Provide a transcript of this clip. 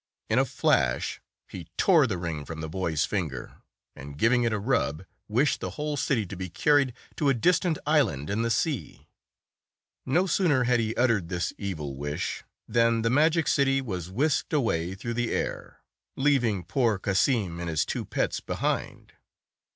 In a flash, he tore the ring from the boy's finger, and giving it a rub, wished the whole city to be carried to a distant island in the sea. No sooner had he uttered this evil wish, than the magic city was whisked away through the air, leaving poor Cassim and his two pets behind.